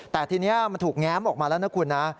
แต่ทีนี้มันถูกแง้มออกมาแล้วนะคุณนะ